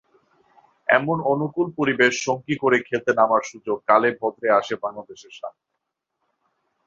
এমন অনুকূল পরিবেশ সঙ্গী করে খেলতে নামার সুযোগ কালেভদ্রে আসে বাংলাদেশের সামনে।